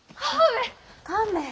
亀。